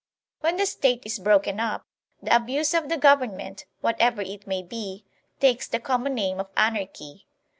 When the State is broken up, the abuse of the gov ernment, whatever it may be, takes the common name of ANARCHY.